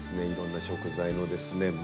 いろんな食材のですね